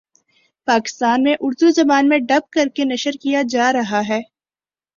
پاکستان میں اردو زبان میں ڈب کر کے نشر کیا جارہا ہے